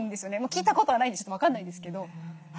聞いたことはないんでちょっと分かんないんですけど。